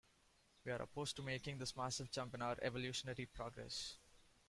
We are opposed to making this massive jump in our evolutionary progress.